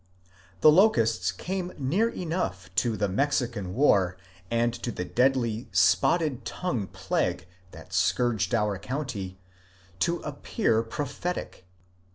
The locusts came near enough to the Mexican War and to the deadly Spotted Tongue plague that scourged our county, to appear prophetic.